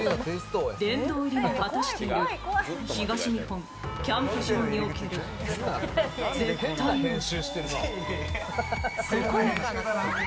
殿堂入りも果たしている、東日本キャンプ場における絶対王者。